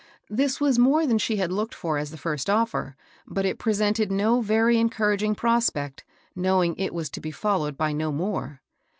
This was more than she had looked for as the first offer, but it presented no very encoor aging prospect, knowing it was to be followed by no more.